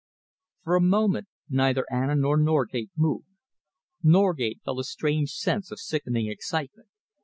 For a moment neither Anna nor Norgate moved. Norgate felt a strange sense of sickening excitement.